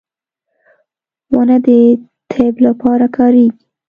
• ونه د طب لپاره کارېږي.